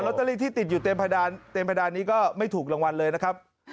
เตอรี่ที่ติดอยู่เต็มเพดานนี้ก็ไม่ถูกรางวัลเลยนะครับ